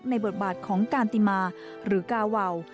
บทบาทของการติมาหรือกาวาว